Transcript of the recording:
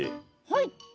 はい。